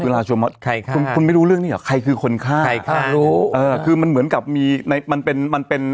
ราชโมนใครคุณไม่รู้เรื่องนี้หรอใครคือคนฆ่ารู้คือมันเหมือนกับมีในมันเป็นมันเป็น